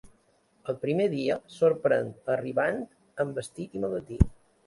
El primer dia, sorprèn arribant en vestit i maletí.